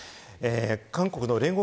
韓国の聯合